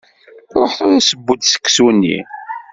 Ruḥ tura seww-d seksu-nni.